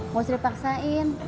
gak usah dipaksain